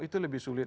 itu lebih sulit